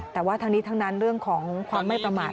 แต่ว่าทั้งนี้ทั้งนั้นเรื่องของความไม่ประมาท